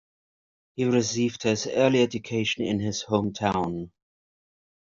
He received his early education in his hometown.